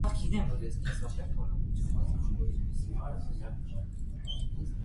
Շենքը չի չի վերականգնվել։